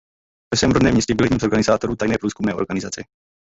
Ve svém rodném městě byl jedním z organizátorů tajné průzkumné organizace.